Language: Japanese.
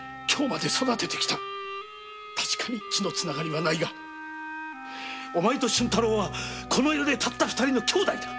たしかに血のつながりはないがお前と俊太郎はこの世でたった二人の兄妹だ。